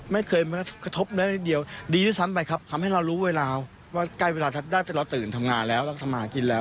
ไม่เคยกระทบเลยครับผม